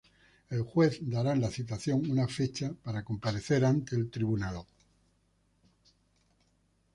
El juez dará en la citación una fecha para comparecer ante el tribunal.